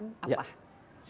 misalnya aku sendiri